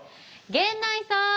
源内さん。